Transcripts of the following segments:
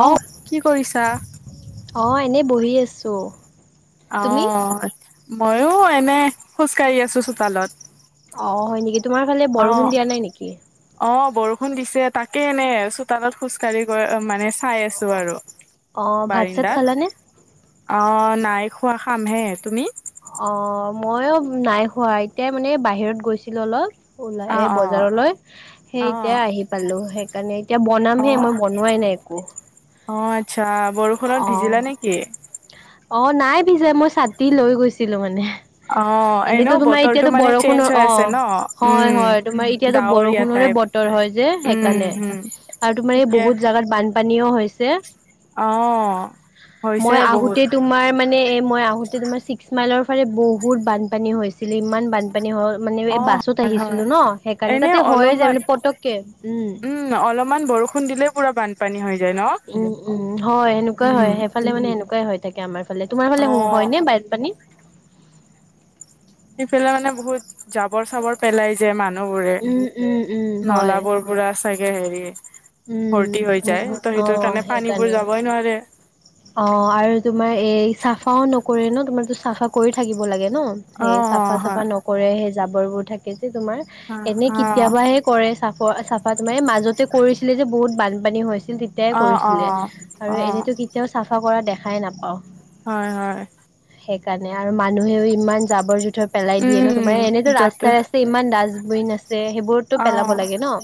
অ, কি কৰিছা? অ এনেই বহি আছো। অ, তুমি? মইো এনে খোজকাঢ়ি আছো চোতালত। অ হয় নেকি, তোমাৰ ফালে অ বৰষুণ দিয়া নাই নেকি? অ বৰষুণ দিছে তাকে এনে চোতালত খোজ কাঢ়ি গৈ মানেজ চাই আছো আৰু অ', ভাত চাত বাৰিন্দাত। খালানে? অ নাই খোৱা খামহে। তুমি? অ মইও নাই খোৱা এতিয়া মানে বাহিৰত গৈছিলো অলপ। ওলাই অ এ অ বজাৰলৈ সেই অ এতিয়াই আহি পালো সেইকাৰণে এতিয়া বনাম অ হে মই বনোৱাই নাই একো। অ আত্চ্ছা বৰষুণত অ', ভিজিলা নেকি? অ নাই ভিজা মই ছাতি লৈ গৈছিলো মানে। অ এনেতো এনেও তোমাৰ বতৰটো এতিয়াতো মানে চেঞ্জ বৰষুণৰ হৈ অ আছে ন হয় উম হয় তোমাৰ এতিয়াতো ডাৱৰীয়া বৰষুণৰে টাইপ বত- তৰ হয় যে উম সেইকাৰণে হম আৰু তোমাৰ এই ঠিকে বহুত জেগাত বান- পানীও হৈছে, অ হৈছে মই আহোঁত বহুত তোমাৰ মানে এ মই আহোতে তোমাৰ ছিক্স মাইলৰ ফালে বহুত বানপানী হৈ হৈছ- ছিলি ইমান বানপানী হ মানে অ এই বাছত হয় হয় আহিছিলো ন সেইকাৰণে এনে তাতে হয়য়ে যায় অলপমান মানে পতককে, উম। অলপমান বৰষুণ দিলে পুৰা বানপানী হৈ যায় ন। উম উম হয় এনেকুৱাই হয় উম সেইফালে মানে এনেকুৱাই হয় থাকে আমাৰ। ফালে তোমাৰ ফালে অ হ হয় নে বান পানী? সেইফালে মানে বহুত জাবৰ চাবৰ পেলাই যে মানুহ বোৰে, উম উম উম হয় নলাবোৰ পোৰা চাগে হেৰি উম ভৰ্তি হৈ যায় বহুত ত অ সেইটোৰ কাৰণে পানীবোৰ সেইকাৰণে যাবই নোৱাৰে। অ আৰু তোমাৰ এই চাফাও নকৰে ন তোমাৰতো চাফা কৰি থাকিব লাগে। ন অ সেই অ চাফা চাফা হয় নকৰে সেই জাবৰবোৰ থাকে যে তোমাৰ এনে কেতিয়াবাহে কৰে চাফৰ চাফা তোমাৰ য়ে মাজতে কৰিছিলে যে বহুত বানপানী হৈছিল তিত- তে অ অ কৰিছিলে অ অ আৰু এনেইতো কেতিয়াও চাফা কৰা দেখাই নাপাওঁ। হয় হয়। সেইকাৰণে আৰু মানুহেও ইমান জাবৰ জোথৰ পেলাই দিয়ে ন উম তোমাৰ এনেতো যতে ৰাস্তাই ৰাস্তা তে ইমান ডাষ্টবিন আছে সেইবোৰতো অ পেলাব লাগে ন,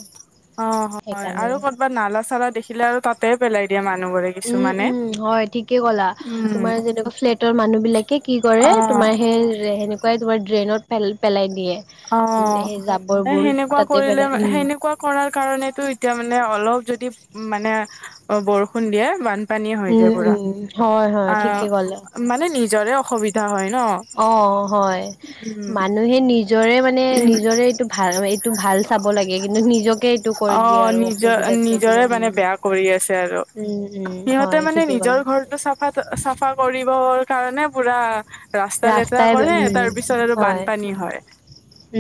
সেইকাৰণে। বা নালা চালা দেখিলে আৰু তাতে পেলাই দিয়ে মানুহবোৰে। উম কিছুমানে উম হয় ঠিকেই ক'লা। উম তোমাৰ যেনেকুৱা ফ্লেটৰ মানুহ বিলাকে কি কৰে অ তোমাৰ সেই [unintelligible] কুৱাই তোমাৰ ড্ৰেইনত পেল পেলাই দিয়ে। অ, উম, সেই এ জাবৰবোৰ হেনেকুৱা তাতে কৰিলে পেলাই উম, হেনেকোৱা কৰাৰ কাৰণেটো এতিয়া মানে অলপ যদি মানে বৰষুণ দিয়ে বান পানী হৈ উম, যাই পুৰা, উম, হয়, হয় ঠিকে ক'লে। আহ মানে নিজৰে অসুবিধা হয় ন অ হয় উম মানুহে নিজৰে মানে উম নিজৰে এইটো ভাল এইটো ভাল চাব লাগে কিন্তু নিজকে এইটো কৰি অ দিয়ে আৰু অসুখ নিজৰ নিজৰে মানে বেয়া কৰি আছে আৰু, উম, উম, সিহঁতে হয় মানে ঠিকে নিজৰ ক'লা। ঘৰটো চাফা কৰিবৰ কাৰণে পুৰা ৰাস্তা লেতেৰা ৰাস্তাই কৰে উম, তাৰ পিছত আৰু হয় বানপানী হয়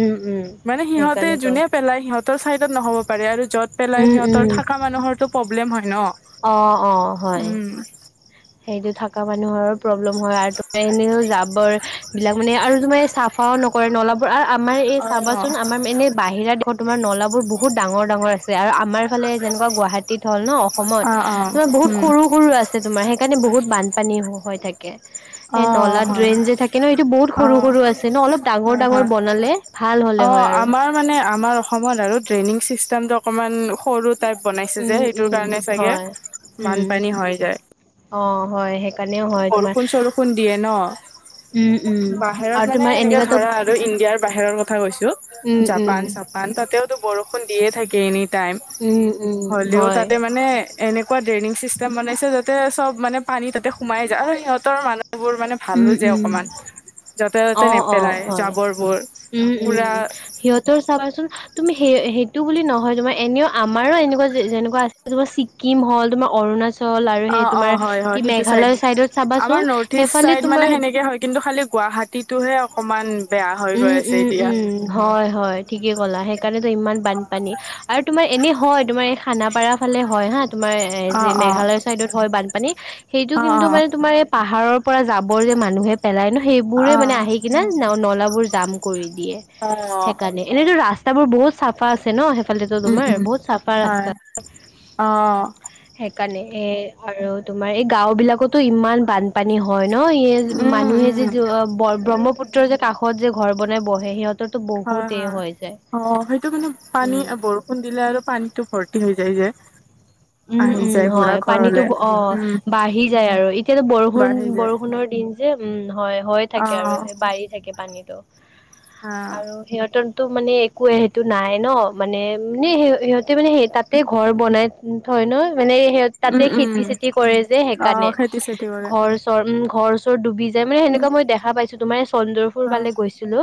উম উম। মানে সিহঁতে সেইকাৰণেতো যোনে পেলাই সিহঁতৰ চাইডত নহ'ব পাৰে আৰু যত পেলাই উম, উম। সিহঁতৰ থাকা মানুহৰটো প্ৰব্লেম হয় ন। অ অ হয়। উম সেইটো থাকা মানুহৰো প্ৰব্লেম হয় আৰু ত এনেও যাবৰ এই বিলাক মানে আৰু তোমাৰ চাফাও নকৰে নলাবোৰ আৰু আমাৰ এই অ চাবাচোন অ আমাৰ মানে বাহিৰা তোমাৰ নলাবোৰ বহুত ডাঙৰ ডাঙৰ আছে আৰু আমাৰ ফালে যেনেকুৱা গুৱাহাটীত হ'ল ন অসমত অ তোমাৰ বহুত উম সৰু সৰু আছে তোমাৰ সেইকাৰণে বহুত বানপানী হৈ থাকে অ এ নলাত হয় ড্ৰেইন যে থাকে ন এইটো বহুত অ সৰু সৰু আছে ন অলপ ডাঙৰ হয় হয় ডাঙৰ বনালে ভাল অ হলে হয় আৰু আমাৰ মানে আমাৰ অসমত আৰু ড্ৰেইনিং চিষ্টেমটো অকমান সৰু টাইপ বনাইছে যে উম, সেইটোৰ উম, কাৰণে চাগে হয়। উম, বানপানী হৈ যায় অ হয় সেইকাৰণেও হয় তোমাৰ বৰষুণ চৰষুণ দিয়ে ন। উম, উম। বাহিৰত আৰু মানে তোমাৰ এনেকে এনেকুৱাতো ধৰা আৰু ইণ্ডিয়াৰ বাহিৰৰ কথা কৈছো উম, উম, জাপান তাতেওতো বৰষুণ দিয়ে থাকে এনি টাইম, উম, উম, হ'লেও হয়। তাতে মানে এনেকুৱা ড্ৰেইনিং চিষ্টেম বনাইছে যাতে চব মানে পানী তাতে সোমাই যায় আৰু সিহঁতৰ মানুহ ভালো উম, যে উম। অকণমান অ অ হয়, উম পুৰা উম সিহঁতৰ চাবাচোন তুমি সেই সেইটো বুলি নহয় তোমাৰ এনেও আমাৰো এনেকুৱা যেনেকুৱা আছে তোমাৰ ছিক্কিম হ'ল তোমাৰ অৰুণাচল। আৰু অ সেই অ তোমাৰ হয় কি হয় সেইটো চাইদ মেঘালয় চাইডত চাবাচোন আমাৰ নৰ্থ ইষ্ট সেইফালে চাইড মানে তোমাৰ সেনেকে হয় কিন্তু খালি গুৱাহাটী টোহে অকমান বেয়া হৈ উম, গৈ আছে উম, এতিয়া। উম, হয় হয় ঠিকে ক'লা সেইকাৰণেটো ইমান বানপানী আৰু তোমাৰ এনে হয় তোমাৰ এই খানাপাৰা ভালে হয় হা তোমাৰ এ অ যে অ মেঘালয়ৰ চাইডত হয় বানপানী সেইটো অ কিন্তু মানে তোমাৰ- পাহাৰৰ পৰা যাবৰ যে মানুহে পেলাই ন সেইবোৰে অ মানে আহি কিনে নলাবোৰ জাম কৰি দিয়ে, অ সেইকাৰণে এনেইতো ৰাস্তা বোৰ বহুত চাফা আছে ন সেই ফালে উম তোমাৰ উম বহুত চাফা হয় অ ৰাস্তাৰ। সেইকাৰণে এ আৰু তোমাৰ এই গাওঁ বিলাকতো ইমান বান পানী হয় ন স উম মানুহে যে উম ব্ৰহ্মপুত্ৰৰ যে কাষত- যে ঘৰ বনাই বহে সিহঁতৰ হয় হয়, অ সেইটো কিন্তু পানী উম বৰষুণ দিলে আৰু পানীটো ভৰ্তি হৈ যায় যে। উম আহি উম যায় পুৰা হয় পানীতো ঘৰলে অ উম বাঢ়ি যায় আৰু এতিয়াতো বৰষুণ বাঢ়ি যায় বৰষুণৰ দিন যে উম হয় হয় অ থাকে আৰু বাঢ়ি থাকে পানীতো, হা আৰু সিহঁতৰতো মানে একোৱে সেইটো নাই ন মানে স সিহঁতে মানে সেই তাতে ঘৰ বনাই থয় ন মানে সিহতে তাতে উম উম খেতি- চেতি কৰে যে অ', সেইকাৰণে, খেতি চেতি কৰে ঘৰ- চ উম ঘৰ চৰ ডুবি যায় মানে উম, সেনেকুৱা মই দেখা পাইছো তোমাৰ চন্দ্ৰ পুৰ অ', ফালে গৈছিলো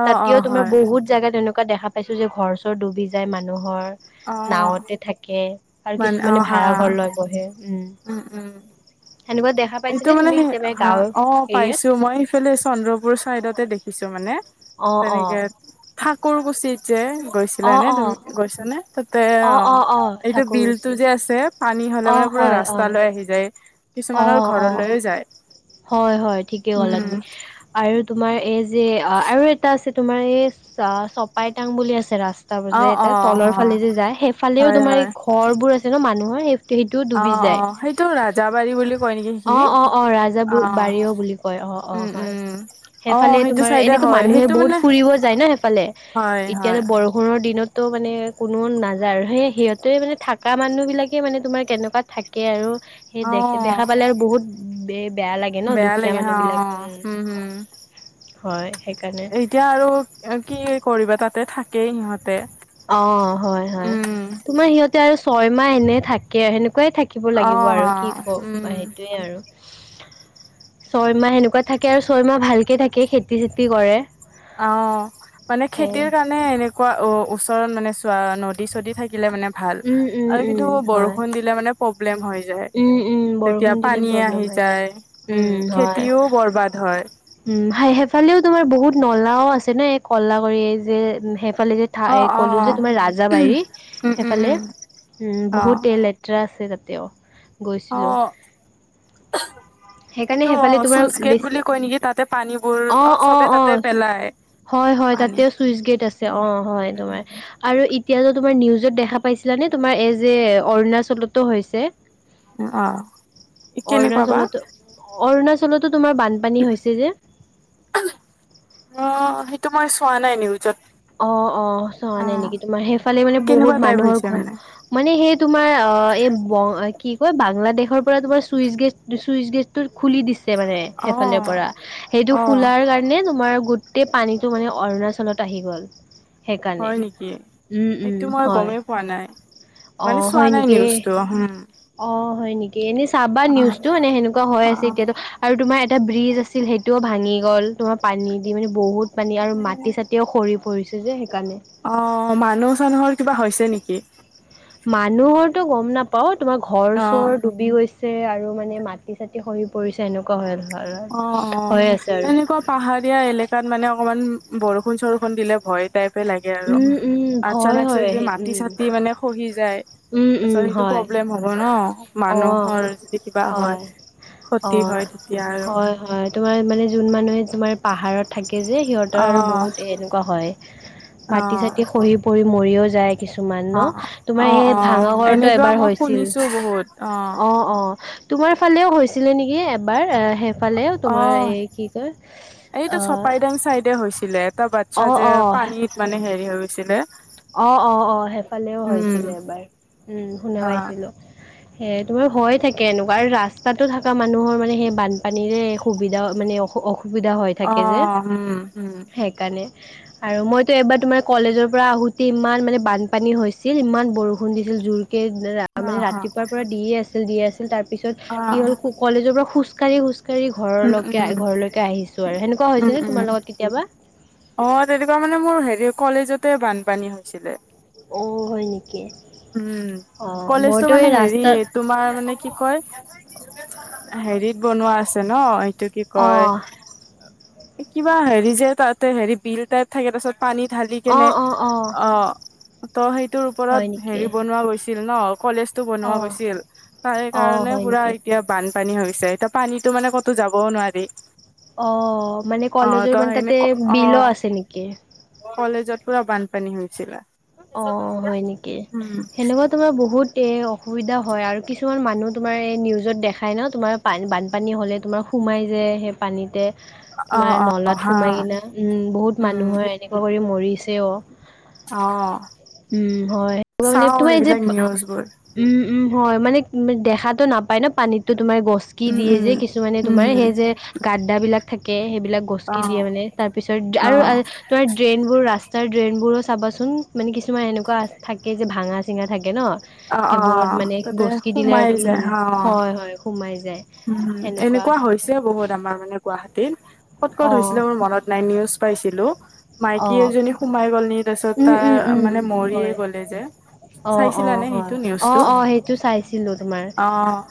অ', তাতেও অ', তোমাৰ হয় বহুত জেগাত এনেকুৱা দেখা পাইছো যে ঘৰ-চৰ ডুবি যায় মানুহৰ অ', নাৱতে থাকে আৰু মানে কিছুমানে অ', হা ভাড়া ঘৰ লৈ বহে উম সেনেকুৱা দেখা এইটো পাইছেনে মানে তুমি সেই কেতিয়াবা গাঁৱৰ অ এৰিয়াত পাইছো মই সেইফালে চন্দ্ৰপুৰ চাইদতে দেখিছো মানে অ অ তেনেকে থাক থাকুৰকুছি যে, অ গৈছিলানে অ। তুমি গৈছানে? তাতে অ এইটো বিলটো যে আছে পানী হলে অ মানে পুৰা হয় হয় ৰাস্তালৈ আহি যায় অ কিছুমানৰ অ। ঘৰলৈও যায় হয় হয় ঠিকে কলা উম, তুমি আৰু তোমাৰ এই যে আৰু এটা আছে তোমাৰ এই চ চপাইতাং বুলি আছে ৰাস্তা পাব যে অ', এটা অ', তলৰ ফালে অ', যে যায় সেইফালেও হয়, তোমাৰ এই হয় ঘৰবোৰ আছে ন মানুহৰ সেই সেইটো ডুবি অ', যায় অ', সেইটো ৰাজাবাৰী বুলি কয় নেকি অ সেইখিনি অ অ ৰাজ অ', বাৰিও বুলি কয় অ অ উম হয় উম অ সেইফালে সেইটো তোমাৰ চাইডে এনেটো হয় মানুহে সেইটো বহুত মানে ফুৰিব যায় ন সে সেইফালে হয় হয় এতিয়াযে বৰষুণৰ দিনততো মানে কোনো নাযায় আৰু সেই সিহঁতে মানে থকা মানুহ বিলাকে মানে তোমাৰ কেনেকুৱা থাকে আৰু সেই অ দেখ দেখা পালে আৰু বহুত বে বেয়া লাগে লাগে ন বেয়া দুখীয়া হা অ মানুহবিলাকে উম হম হয় সেইকাৰণে এতিয়া আৰু কি কৰিবা তাতে থাকেই সিহঁতে অ হয় হয় উম তোমাৰ সিহঁতে আৰু ছয়মাহ এনে থাকে সেনেকুৱাই থাক কিব অ লাগিব অ আৰু কি কওক বা উম সেইটোৱেই আৰু ছয় মাহ সেনেকুৱা থাকে আৰু ছয় মাহ ভালকে থাকে খেতি-চেতি কৰে অ মানে সেয়ে খেতিৰ কাৰ নে এনেকুৱা অ ওচৰত মানে চোৱা নদী-চদী থাকিলে মানে ভাল উম উম আৰু উম কিন্তু হয় বৰষুণ দিলে মানে প্ৰব্লেম হৈ যায় উম উম তেতিয়া বৰষুণ দিলে পানীয়ে প্ৰব্লেম আহি হৈ যায় উম খেতিও বৰবাদ হয় উম, সে সেইফালেও তোমাৰ বহুত নলাও আছে ন এ কলা কৰি যে সেইফালে যে ঠা অ এ অ কলোঁ যে তোমাৰ ৰাজাবাৰী উম উম সেইফালে উম উম বহুত তে তট্ৰা আছে তাতেও গৈছিলোঁ। অ অ [unintelligible] এইটো অ' চুচ গেট বেছি বুলি কয় নেকি তাতে পানীবোৰ অ' চবে তাতে পেলায় হয় হয় তাতেও চুইচ গেট আছে অ হয় উম তোমাৰ উম আৰু এতিয়া যে তোমাৰ নিউজত দেখা পাইছিলানে তোমাৰ এই যে অৰুণাচলতো হৈছে অ' কেনেকুৱা বা? অৰুণাচলতো অৰুণাচলতো তোমাৰ বানপানী হৈছে যে অ' সেইটো মই চোৱা নাই নিউজত অ অ চোৱা অ নাই নেকি, তোমাৰ সেইফালে মানে কেনেকুৱা বহুত টাইপ মানুহৰ হৈছে ঘৰ মানে মানে সেই তোমাৰ অ এই ব কি কয় বাংলাদেশৰ পৰা তোমাৰ চুইচ গেট চুইচ গেট টো খুলি দিছে মানে অ সেইফালৰ পৰা সেইটো অ খুলাৰ কাৰণে তোমাৰ গো টেই পানীটো মানে অৰুণাচলত আহি গ'ল সেইকাৰণে হয় নেকি উম উম এইটো মই হয় গমেই পোৱা নাই অ মানে চোৱা হয় নাই নেকি নিউজটো হম অ হয় নেকি, এনেই চাবা অ নিউজটো এনে সেনেকুৱা হৈ অ আছে এতিয়াতো আৰু তোমাৰ এটা ব্ৰিজ আছিল সেইটোও ভাঙি গ'ল, তোমাৰ পানী দি মানে বহুত পানী আৰু মাটি-চাটি ওঁ সৰি পৰিছে যে সেইকাৰণে অ' মানুহ চানুহৰ কিবা হৈছে নেকি? মানুহৰটো গম নাপাও তোমাৰ ঘৰ অ চৰ ডুবি গৈছে আৰু মানে মাটি চাটি সৰি পৰিছে এনেকুৱা অ অ হয় হৈ আছে আৰু। এনেকুৱা পাহাৰীয়া এলেকাত মানে অকমান বৰষুণ চৰষুণ দিলে ভয় টাইপে লাগে আৰু উম, উম, ভয় আচানাক চে হয় যে সেই মাটি উম, চাটি মানে খহি যায় উম, উম, তাৰপিছত সেইটো হয় প্ৰব্লেম হ'ব ন'। অ' মানুহৰ যদি কিবা হয় ক্ষতি অ' হয় তেতিয়া আৰু হয় হয়। তোমাৰ মানে যোন মানুহে তোমাৰ পাহাৰত থাকে যে সিহঁত অ সিহঁতৰ বহুতএনেকুৱা হয় অ মাটি চাটি খহি পৰি মৰিও যায়। কিছুমান অ ন' অ তোমাৰ অ এই ভঙা ঘৰটো এনেকুৱা এবাৰ মই হৈছিল। শুনিছো বহুত অ' অ', অ' তোমাৰ ফালেও হৈছিলে নেকি এবাৰ ফালে অ তোমাৰ এই কি কয় এইটো চপাইদাং চাইডে হৈছিলে এটা বাচ্ছা যে অ পানীত মানে হেৰি হৈ গৈছিলে। অ', অ', অ' সেইফালেও উম হৈছিলে এবাৰ উম শুনা অ পাইছিলো। এ তোমাৰ হয় থাকে এনেকুৱা আৰু ৰাস্তাতো থকা মানুহৰ মানে সেই বানপানীৰে সুবিধা মানে অসুবিধা হয়। অ থাকে যে উম উম সেইকাৰণে আৰু মইতো এবাৰ তোমাৰ কলেজৰ পৰা আহোঁ ইমান মানে বানপানী হৈছিল ইমান বৰষুণ দিছিল জোৰকে অ মানে হা ৰাতিপুৱা দিয়ে আছিল দিয়ে আছিল তাৰ পিছত অ কি হ'ল কলেজৰ পৰা খোজকাঢ়ি খোজকাঢ়ি উম ঘৰলৈকে উম আহ ঘৰলৈকে আহিছো আৰু সেনেকুৱা উম হৈছে নে উম তোমাৰ লগত কেতিয়াবা? অ', তেনেকুৱা মানে মোৰ হেৰি কলেজতে বানপানী হৈছিলে অ', হয় নেকি, উম অ', কলেজটো মইতো মানে এই হেৰি ৰাস্তাত তোমাৰ মানে কি কয় হেৰিত বনোৱা আছে ন' এইটো কি কয় অ' কিবা হেৰি যে তাতে হেৰি বিল টাইপ থাকে তাৰ পিছত পানী ঢালি কেনে অ' অ' অ', ত' সেইটোৰ ওপৰত হয় নেকি? বনুৱা গৈছিল ন' কলেজ টো বনুৱা অ' গৈছিল অ' তাৰেকাৰণে হয় পোৰা নেকি? এতিয়া বানপানী হৈছে এতিয়া পানীতো মানে ক'তো যাবও নোৱাৰি। অ', মানে অ কলেজৰ ত মানে সেইনে তাতে অ বিল আছে নেকি? কলেজত পুৰা বানপানী হৈছিলে। অঁ', হয় নেকি। উম',। সেনেকুৱা তোমাৰ বহুত এ অসুবিধা হয় আৰু কিছুমান মানুহ তোমাৰ এই নিউজত দেখাই ন তোমাৰ পানী বানপানী হ'লে তোমাৰ সোমাই যে সেই পানীতে অ তোমাৰ অ নলাত হা সোমাই কিনা উম বহুত উম মানুহৰ এনেকুৱা কৰি মৰিছে অ অ উম হয় মানে চাও তোমাৰ যে সেইবিলাক নিউজবোৰ উম উম হয় মানে দেখাতটো নাপায় ন পানীততো তোমাৰ গছ কি উম দিয়ে যে উম কিছুমানে উম তোমাৰ হম সেই যে গাদাবিলাক থাকে সেইবিলাক অ গছকি দিয়ে মানে তাৰপিছত অ আৰু তোমাৰ ড্ৰেইনবোৰ ৰাস্তাৰ ড্ৰেইনবোৰো চাবাচোন মানে কিছুমান এনেকুৱা থাকে যে ভাঙা চিঙা থাকে ন অ অ সেইবোৰত মানে তাতে গচকি দিলে সোমাই আৰু উম যায় অ হয় হয় সুমাই যায়। উম, সেনেকুৱা এনেকুৱা হৈছে বহুত আমাৰ মানে গুৱাহাটীত কত ক'ত অ', হৈছিলে মোৰ মনত নাই নিউজ পাইছিলো মাইকী অ', এজনী সোমাই গ'ল ন উম, উম, উম, হয়। যে অঁ চাইছিলা অঁ নে হয়, সেইটো নিউজটো অঁ অঁ' সেইটো চাইছিলো তোমাৰ অ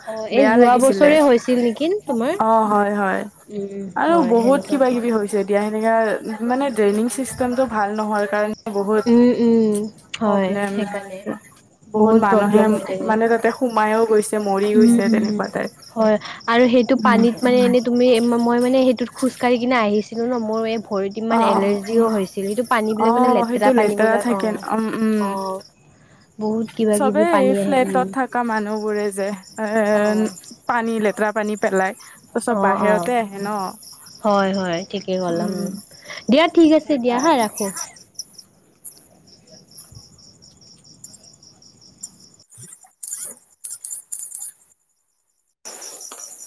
অ এই বেয়া যোৱা বছ- ছৰে হৈছিল নেকি তোমাৰ। অঁ হয় হয়, উম, আৰু হয় বহুত সেনেকুৱা। কিবা কিবি হৈছে। দিয়া সেনেকা মানে ড্ৰেইনিং চিষ্টেমটো ভাল নহয় কাৰণ, বহুত উম, উম, হয় প্ৰব্লেম। সেইকাৰণে। বহুত মানুহে প্ৰব্লেম হৈ থাকে। মানে তাতে সুমাইও গৈছে মৰি উম, গৈছে উম। তেনেকুৱা টাইপ। হয়, আৰু সেইটো পানীত মানে এনেই- তুমি মই মানে সেইটোত খোজকাঢ়ি কিনে আহিছিলো ন ময় এই ভৰিত- অ কিমান এলাৰ্জিও হৈছিল সেইটো পানী অ বিলাক মানে লেতেৰা সেইটো পানীবলাক থাকে অঁ উম উম অঁ। বহুত কিবা কিবি পানী আহে। উম' কা মানুহবোৰে যে এ অ', পানী লেতেৰা পানী পেলাই। তাছত অ', অ', বাহিৰতে আহে ন। হয় হয়, ঠিকে ক'লা উম' দিয়া ঠিক আছে দিয়া হা ৰাখো। [unintelligible] [unintelligible]